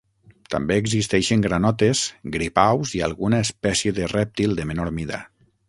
També existeixen granotes, gripaus i alguna espècie de rèptil de menor mida.